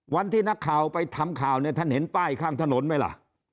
วันที่นักข่าวไปทำข่าวเนี่ยท่านเห็นป้ายข้างถนนไหมล่ะ